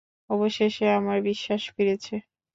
অবশেষে আমার বিশ্বাস ফিরেছে।